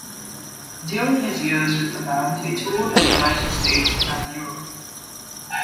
During his years with the band he toured the United States and Europe.